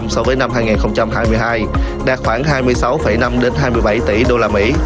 so với năm hai nghìn hai mươi hai đạt khoảng hai mươi sáu năm hai mươi bảy tỷ usd